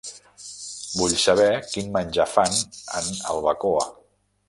Vull saber quin menjar fan en el Bacoa.